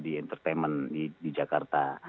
di entertainment di jakarta